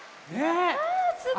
あすごい！